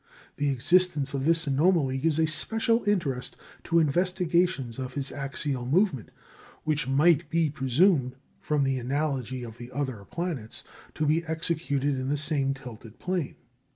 The existence of this anomaly gives a special interest to investigations of his axial movement, which might be presumed, from the analogy of the other planets, to be executed in the same tilted plane.